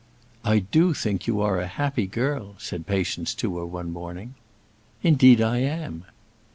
"I do think you are a happy girl," said Patience to her one morning. "Indeed I am."